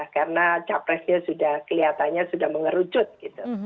karena capresnya sudah kelihatannya sudah mengerucut gitu